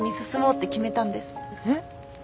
えっ？